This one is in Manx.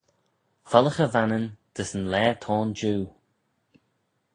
Follaghey Vannin dys yn laa t'ayn jiu.